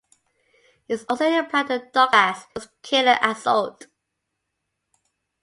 It is also implied that Doctor Thrax was killed in the assault.